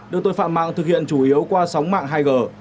được tội phạm mạng thực hiện chủ yếu qua sóng mạng hai g